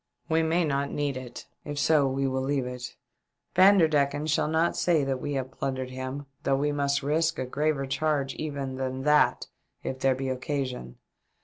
" We may not need it ; if so we will leave it. Vanderdecken shall not say that we have plundered him though we must risk a graver charge even than that if there be occasion.